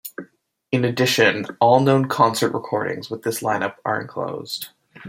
In addition, all known concert-recordings with this line-up are enclosed.